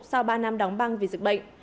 sau ba năm đóng băng vì dịch bệnh